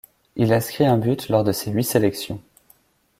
Il inscrit un but lors de ses huit sélections.